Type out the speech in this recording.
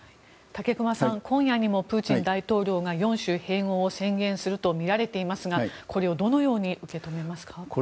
武隈さん、今夜にもプーチン大統領が４州併合を宣言するとみられていますがこれをどのように受け止めますか？